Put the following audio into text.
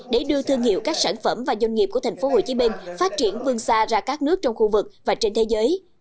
để đưa thương hiệu các sản phẩm và doanh nghiệp của tp hcm phát triển vương xa ra các nước trong khu vực và trên thế giới